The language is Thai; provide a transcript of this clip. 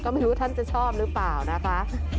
ก็ไม่รู้ท่านจะชอบหรือเปล่านะคะ